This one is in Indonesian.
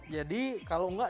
jadi kalau nggak